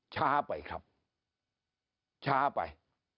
ช้าไปครับช้าไป